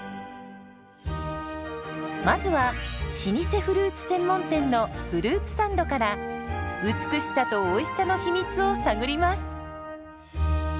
まずは老舗フルーツ専門店のフルーツサンドから美しさとおいしさの秘密を探ります。